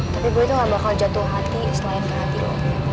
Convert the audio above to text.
tapi gue itu gak bakal jatuh hati selain kehatian